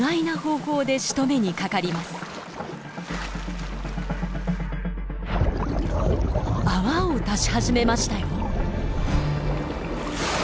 泡を出し始めましたよ。